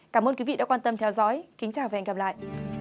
cảm ơn quý vị đã quan tâm theo dõi kính chào và hẹn gặp lại